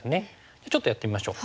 じゃあちょっとやってみましょう。